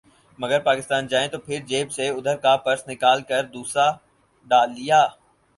مگر پاکستان جائیں تو پھر جیب سے ادھر کا پرس نکال کر دوسرا ڈال لیا